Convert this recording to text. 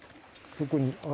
そこに。